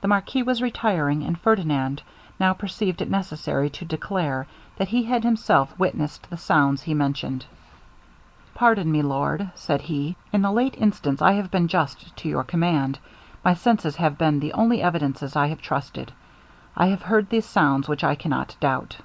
The marquis was retiring, and Ferdinand now perceived it necessary to declare, that he had himself witnessed the sounds he mentioned. 'Pardon me, my lord,' said he, 'in the late instance I have been just to your command my senses have been the only evidences I have trusted. I have heard those sounds which I cannot doubt.'